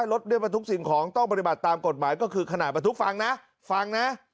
รถได้บรรทุกสิ่งของต้องปฏิบัติตามกฎหมายก็คือขณะบรรทุกฟังนะฟังนะ